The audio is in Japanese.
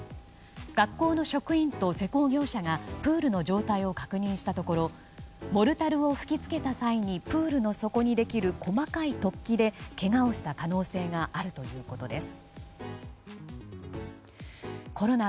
学校の職員と施工業者がプールの状態を確認したところモルタルを吹き付けた際にプールの底にできる細かい突起でけがをした可能性があるということです。